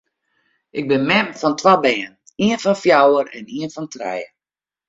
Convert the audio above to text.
Ik bin mem fan twa bern, ien fan fjouwer en ien fan trije.